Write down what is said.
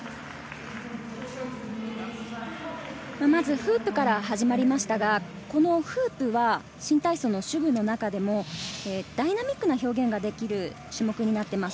フープから始まりましたが、フープは新体操の手具の中でも、ダイナミックな表現ができる種目になっています。